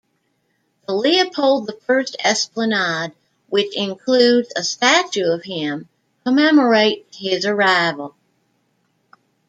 The Leopold the First Esplanade, which includes a statue of him, commemorates his arrival.